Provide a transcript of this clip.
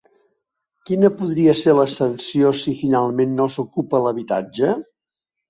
Quina podria ser la sanció si finalment no s'ocupa l'habitatge?